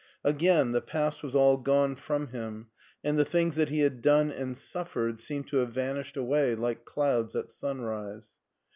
Again, the past was all gone from him, and the things that he had done and suffered seemed to have vanished away like clouds at sunrise.